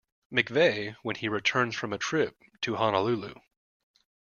McVeigh when he returns from a trip to Honolulu.